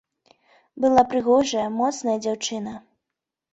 Была прыгожая, моцная дзяўчына.